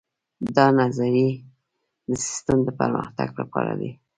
دا نظریې د سیسټم د پرمختګ لپاره دي.